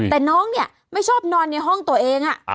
แต่น้องเนี่ยไม่ชอบนอนในห้องตัวเอง